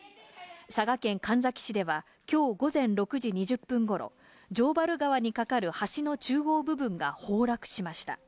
佐賀県神埼市ではきょう午前６時２０分ごろ、城原川に架かる橋の中央部分が崩落しました。